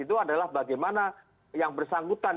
itu adalah bagaimana yang bersangkutan